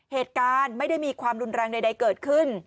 เหตุการณ์ไม่ได้มีความรุนแรงใดเกิดขึ้น